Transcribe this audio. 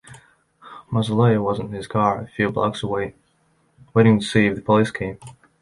Moseley was in his car a few blocks away waiting to see if the police came.